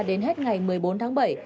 đến hết ngày một mươi bốn tháng bảy